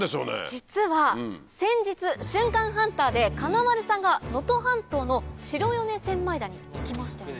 実は先日瞬間ハンターで金丸さんが能登半島の白米千枚田に行きましたよね。